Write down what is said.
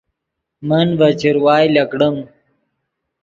من ڤے چروائے لکڑیم